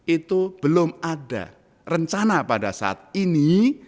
itu belum ada rencana pada saat ini